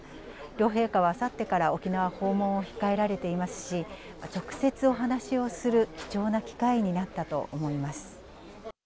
両陛下はあさってから沖縄訪問を控えられていますし、直接お話をする貴重な機会になったと思います。